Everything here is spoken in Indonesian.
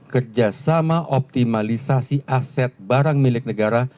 kerjasama optimalisasi aset barang milik negara